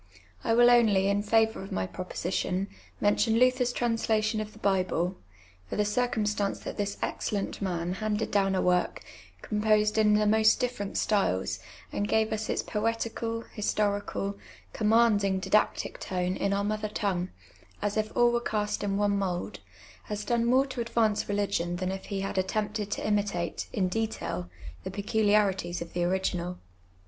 I will only, in favour of my proposi tion, mention Luther's translation of the Bible ; for the cir cumstance that this excellent man handed down a work, com posed in the most different styles, and gave us its poetical, historical, commanding didactic tone in our mother tongue, as if all were cast in one mould, has done more to advance religion than if he had attempted to imitate, in detail, the peculiarities of the original.